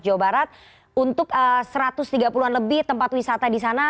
jawa barat untuk satu ratus tiga puluh an lebih tempat wisata di sana